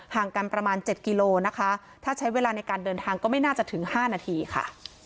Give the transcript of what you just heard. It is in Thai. ห่างกันประมาณ๗กิโลนะคะถ้าใช้เวลาในการเดินทางก็ไม่น่าจะถึง๕นาทีค่ะ